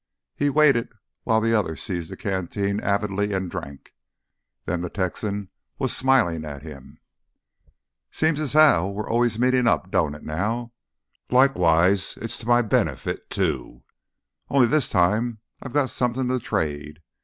He waited while the other seized the canteen avidly and drank. Then the Texan was smiling at him. "Seems as how we's always meetin' up, don't it now? Likewise it's always to m' benefit, too. Only this time I've got me somethin' to trade.